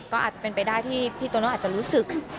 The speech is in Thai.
ก็อาจจะเป็นไปได้ที่พี่โตโน่อาจจะรู้สึก